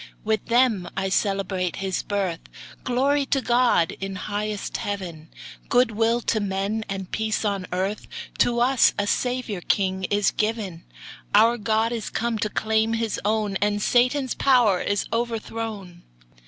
With them I celebrate His birth Glory to God, in highest Heaven, Good will to men, and peace on earth, To us a Saviour king is given; Our God is come to claim His own, And Satan's power is overthrown!